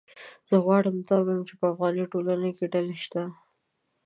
زه غواړم دا ووایم چې په افغاني ټولنه کې ډلې شته